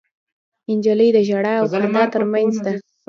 نجلۍ د ژړا او خندا تر منځ ده.